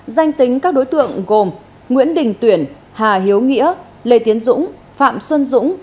danh tính các đối tượng gồm nguyễn đình tuyển hà hiếu nghĩa lê tiến dũng phạm xuân dũng